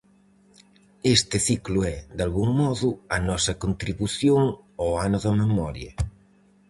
Este ciclo é, dalgún modo, a nosa contribución ao "Ano da Memoria".